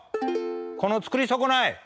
「この作り損ない！」。